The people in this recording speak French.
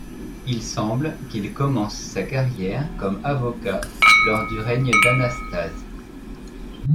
Il semble qu'il commence sa carrière comme avocat lors du règne d'Anastase.